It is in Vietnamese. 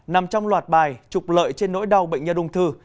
nằm trong loạt bài trục lợi trên nỗi đau bệnh nhân ung thư